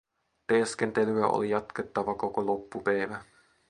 Teeskentelyä oli jatkettava koko loppu päivä.